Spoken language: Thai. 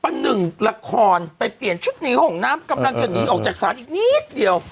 หนึ่งละครไปเปลี่ยนชุดหนีห้องน้ำกำลังจะหนีออกจากศาลอีกนิดเดียว